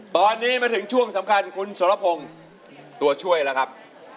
ตอนนี้มาถึงช่วงสำคัญคุณสรพงศ์ตัวช่วยแล้วครับ